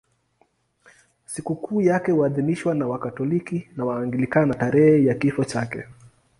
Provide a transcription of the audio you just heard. Sikukuu yake huadhimishwa na Wakatoliki na Waanglikana tarehe ya kifo chake.